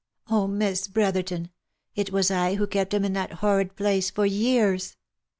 Oh ! Miss Brotherton, it was I who kept him in that horrid place for years !